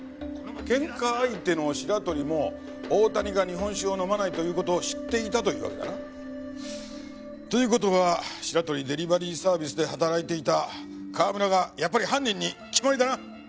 ケンカ相手の白鳥も大谷が日本酒を飲まないという事を知っていたというわけだな？という事はシラトリ・デリバリーサービスで働いていた川村がやっぱり犯人に決まりだな。